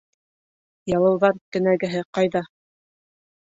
Ялыуҙар кенәгәһе ҡайҙа?